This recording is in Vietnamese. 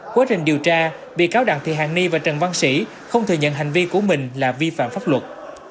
quyết định điều tra bị cáo đặng thì hàn ni và trần văn sĩ không thừa nhận hành vi của mình là vi phạm pháp luật